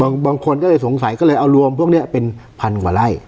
บางคนก็เลยสงสัยก็เลยเอารวมพวกนี้เป็นพันกว่าไร่